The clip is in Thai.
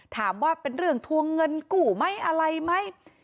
ถามว่าเป็นเรื่องทวงเงินกู้ไหมอะไรไหม